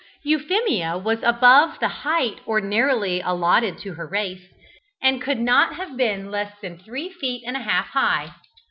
Euphemia was above the height ordinarily allotted to her race, and could not have been less than three feet and a half high.